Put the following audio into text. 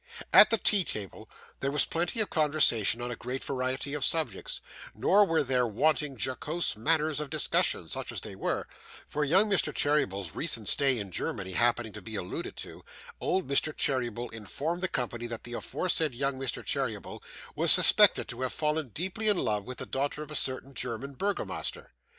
At the tea table there was plenty of conversation on a great variety of subjects, nor were there wanting jocose matters of discussion, such as they were; for young Mr. Cheeryble's recent stay in Germany happening to be alluded to, old Mr. Cheeryble informed the company that the aforesaid young Mr. Cheeryble was suspected to have fallen deeply in love with the daughter of a certain German burgomaster.